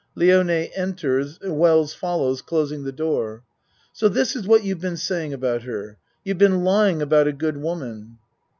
(Lione enters, Wells follows, closing the door.) So this is what you've been saying about her? You've been lying about a good woman.